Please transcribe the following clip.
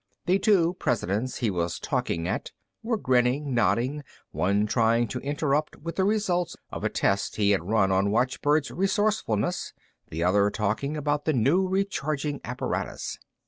The two presidents he was talking at were grinning, nodding, one trying to interrupt with the results of a test he had run on watchbird's resourcefulness, the other talking about the new recharging apparatus.